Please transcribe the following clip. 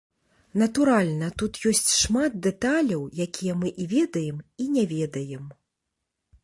Натуральна, тут ёсць шмат дэталяў, якія мы і ведаем, і не ведаем.